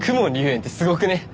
炎ってすごくね？